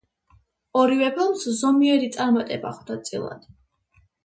ორივე ფილმს ზომიერი წარმატება ხვდა წილად.